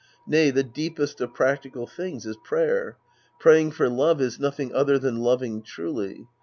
Nay, the deepest of practical things is prayer. Praying for love is nothing other than loving truly.